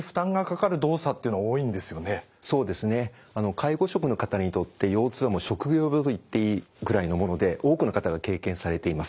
介護職の方にとって腰痛は「職業病」と言っていいくらいのもので多くの方が経験されています。